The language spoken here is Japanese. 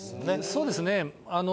そうですね。